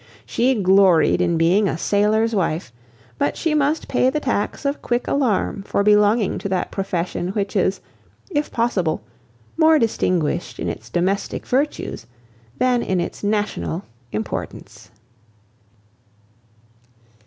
She gloried in being a sailor's wife, but she must pay the tax of quick alarm for belonging to that profession which is, if possible, more distinguished in its domestic virtues than in its national importance.